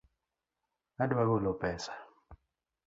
Adwa golo pesa